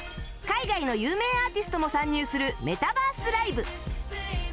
海外の有名アーティストも参入するメタバース ＬＩＶＥ